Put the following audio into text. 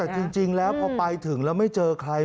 แต่จริงแล้วพอไปถึงแล้วไม่เจอใคร